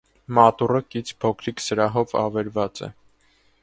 Մատուռը՝ կից փոքրիկ սրահով ավերված է։